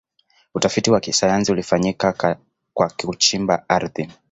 utafiti wa kisayansi ulifanyika kwa kuchimba ardhi